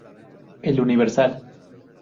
El universal.